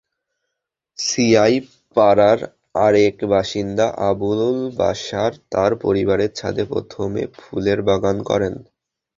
CI পাড়ার আরেক বাসিন্দা আবুল বাশার তাঁর বাড়ির ছাদে প্রথমে ফুলের বাগান করেন।